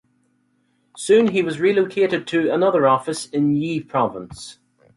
Soon he was relocated to another office in Yi province.